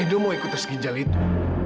edo mau ikut tes ginjal itu